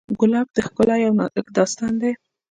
ګلاب د ښکلا یو نازک داستان دی.